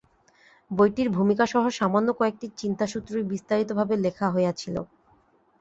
বইটির ভূমিকাসহ সামান্য কয়েকটি চিন্তাসূত্রই বিস্তারিতভাবে লেখা হইয়াছিল।